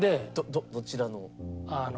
どちらの？